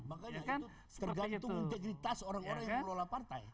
makanya itu tergantung integritas orang orang yang mengelola partai